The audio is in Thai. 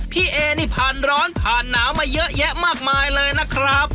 พี่เอนี่ผ่านร้อนผ่านหนาวมาเยอะแยะมากมายเลยนะครับ